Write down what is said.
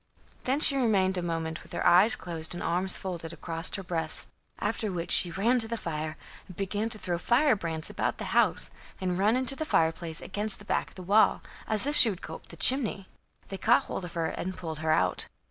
Then she remained a moment with her eyes closed and arms folded across her breast, after which she ran to the fire, and began to throw fire brands about the house, and run into the fireplace, against the back of the wall, as if she would go up the chimney. They caught hold of her and pulled her out.